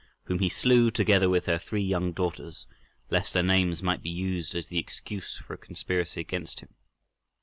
whom he slew together with her three young daughters, lest their names might be used as the excuse for a conspiracy against him.